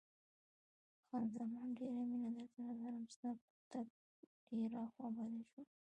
خان زمان: ډېره مینه درسره لرم، ستا په تګ ډېره خوابدې شوم.